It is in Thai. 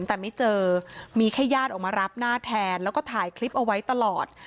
แต่ไม่เจอมีแค่ญาติออกมารับหน้าแทนแล้วก็ถ่ายคลิปเอาไว้ตลอด